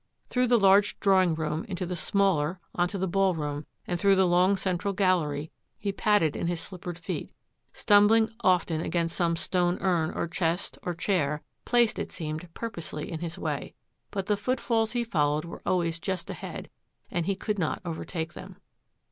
Through the large drawing room into the smaller, on to the ball room, and through the long central gallery he padded in his slippered feet, stumbling often against some stone urn or chest or chair, placed, it seemed, purposely in his way; but the footfalls he followed were always just ahead and he could not overtake them.